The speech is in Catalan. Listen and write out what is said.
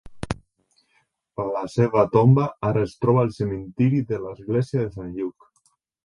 La seva tomba ara es troba al cementiri de l'església de Sant Lluc.